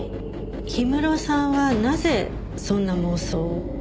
氷室さんはなぜそんな妄想を？